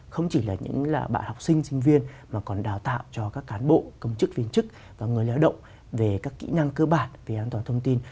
không chỉ là những bạn học sinh sinh viên mà còn đào tạo cho các cán bộ công chức viên chức và người lao động về các kỹ năng cơ bản về an toàn thông tin